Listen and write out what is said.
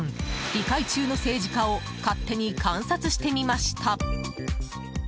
議会中の政治家を勝手に観察してみました。